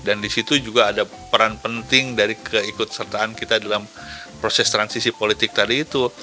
dan di situ juga ada peran penting dari keikutsertaan kita dalam proses transisi politik tadi itu